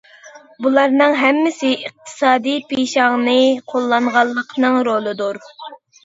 بۇلارنىڭ ھەممىسى ئىقتىسادىي پىشاڭنى قوللانغانلىقنىڭ رولىدۇر.